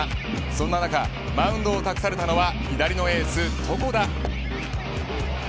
そんな中、マウンドを託されたのは左のエース、床田。